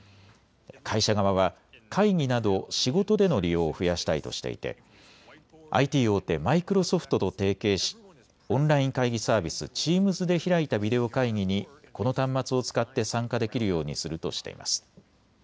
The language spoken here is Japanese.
会社側は会議など仕事での利用を増やしたいとしていてＩＴ大手、マイクロソフトと提携しオンライン会議サービス、チームズで開いたビデオ会議にこの端末を使って参加できるようにするとしています。